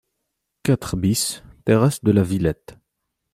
quatre BIS terrasse de la Villette